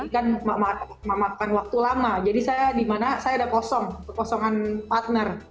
kan memakan waktu lama jadi saya di mana saya udah kosong kekosongan partner gitu